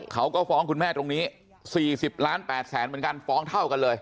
เขาก็ฟ้องคุณแม่ตรงนี้๔๐ล้าน๘แสนเหมือนกันฟ้องเท่ากันเลย